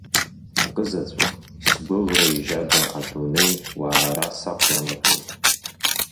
Акызаҵәык, сгәыӷра еижьага адунеи уаара сақәланатәуеит.